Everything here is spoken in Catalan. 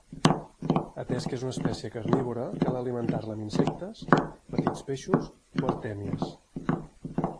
Atès que és una espècie carnívora, cal alimentar-la amb insectes, petits peixos o artèmies.